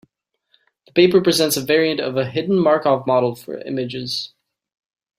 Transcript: The paper presents a variant of a hidden Markov model for images.